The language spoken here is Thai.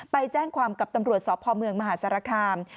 ไปแจ้งความกับตำรวจสพเมืองมหาสารคาม